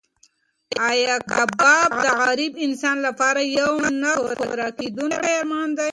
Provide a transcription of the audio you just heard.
ایا کباب د غریب انسان لپاره یو نه پوره کېدونکی ارمان دی؟